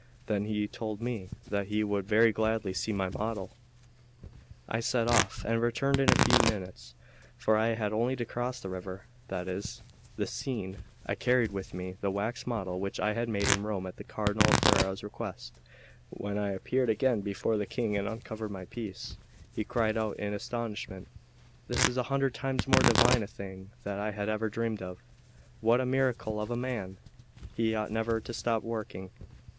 Then he told me that he would very gladly see my model. I set off, and returned in a few minutes; for I had only to cross the river, that is, the Seine. I carried with me the wax model which I had made in Rome at the Cardinal of Ferrara's request. When I appeared again before the King and uncovered my piece, he cried out in astonishment: "This is a hundred times more divine a thing that I had ever dreamed of. What a miracle of a man! He ought never to stop working."